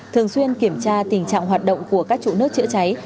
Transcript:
thường xuyên kiểm tra tình trạng hoạt động của các trụ nước chữa cháy